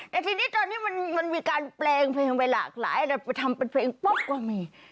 ในทีมิตอนนี้มันมีการแปลงเพลงใหม่หลากหลายอะไรไปทำเป็นเพลงป๊อบก็มี